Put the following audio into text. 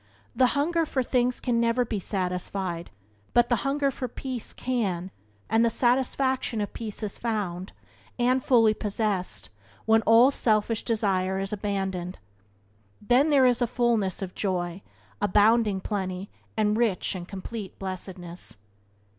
The hunger for things can never be satisfied, but the hunger for peace can and the satisfaction of peace is found, is fully possessed, when all selfish desire is abandoned. Then there is fullness of joy, abounding plenty, and rich and complete blessedness.